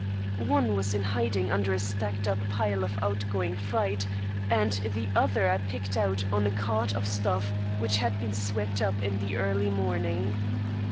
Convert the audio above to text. "One was in hiding under a stacked up pile of outgoing freight, and the other I picked out of a cart of stuff which had been swept up in the early morning.